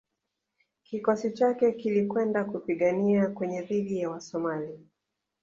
Kikosi chake kilikwenda kupigania Kenya dhidi ya Wasomali